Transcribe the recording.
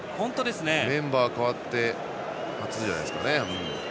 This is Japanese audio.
メンバーが代わって初じゃないですか。